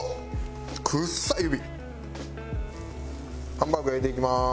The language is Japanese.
ハンバーグ焼いていきまーす。